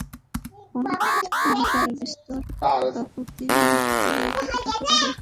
পণ্ডিতমহাশয় বিস্তর কাকুতি মিনতি করিয়া তবে টাকা বাহির করেন।